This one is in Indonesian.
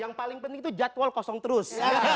yang paling penting itu jadwal kosong terus